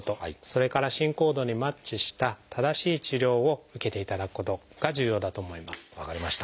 それから進行度にマッチした正しい治療を受けていただくことが重要だと思います。